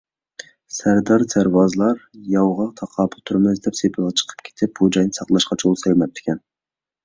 سەردار - سەرۋازلار ياۋغا تاقابىل تۇرىمىز دەپ سېپىلغا چىقىپ كېتىپ، بۇ جاينى ساقلاشقا چولىسى تەگمەپتىكەن.